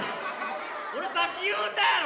俺さっき言うたやろ！